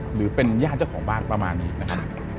หรือเป็นญาติเจ้าของบ้านประมาณนี้นะครับ